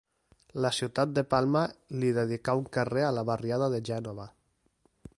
La ciutat de Palma li dedicà un carrer a la barriada de Gènova.